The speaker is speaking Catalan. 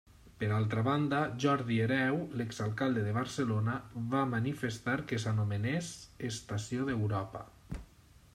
Per altra banda Jordi Hereu, l'exalcalde de Barcelona, va manifestar que s'anomenés estació d'Europa.